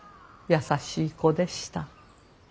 優しい子でした。